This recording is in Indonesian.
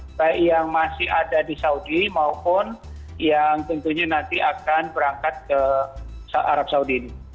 baik yang masih ada di saudi maupun yang tentunya nanti akan berangkat ke arab saudi